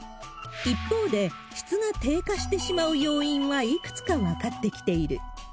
一方で、質が低下してしまう要因はいくつか分かってきている。